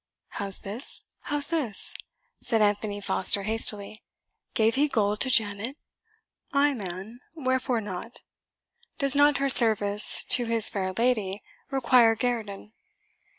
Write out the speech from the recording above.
"How's this? how's this?" said Anthony Foster hastily; "gave he gold to Janet?" "Ay, man, wherefore not? does not her service to his fair lady require guerdon?"